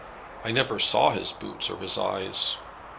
"I never saw his boots or his eyes."